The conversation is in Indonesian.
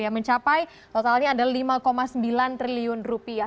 mencapai totalnya adalah lima sembilan triliun rupiah